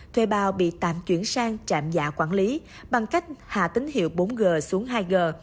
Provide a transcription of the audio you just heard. thuê bao bị tạm chuyển sang trạm giả quản lý bằng cách hạ tín hiệu bốn g xuống hai g